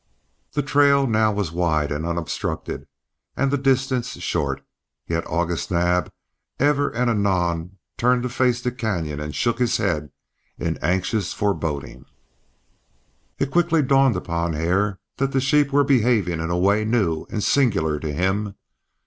The trail now was wide and unobstructed and the distance short, yet August Naab ever and anon turned to face the canyon and shook his head in anxious foreboding. It quickly dawned upon Hare that the sheep were behaving in a way new and singular to him.